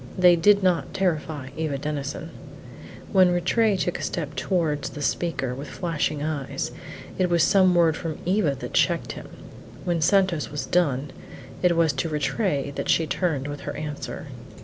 They did not terrify Eva Denison. When Rattray took a step towards the speaker, with flashing eyes, it was some word from Eva that checked him; when Santos was done, it was to Rattray that she turned with her answer.